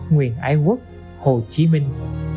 nguyện ái quốc hồ chí minh